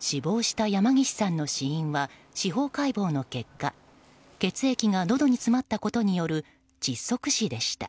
死亡した山岸さんの死因は司法解剖の結果血液がのどに詰まったことによる窒息死でした。